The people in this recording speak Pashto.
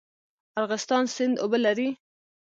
ارغستان سیند اوبه لري؟